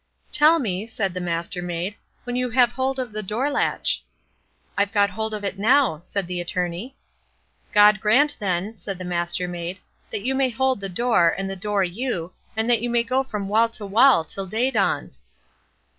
"Tell me", said the Mastermaid, "when you have hold of the door latch." "I've got hold of it now", said the Attorney. "God grant, then", said the Mastermaid, "that you may hold the door, and the door you, and that you may go from wall to wall till day dawns."